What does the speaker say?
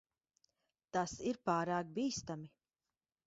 Tas ir pārāk bīstami.